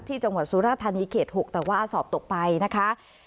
ที่จังหวัดสุรธัณฑ์นี้เขต๖แต่ว่าอสอบตกไปนะคะ